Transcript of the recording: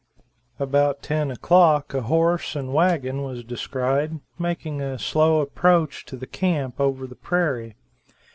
About ten o'clock a horse and wagon was descried making a slow approach to the camp over the prairie.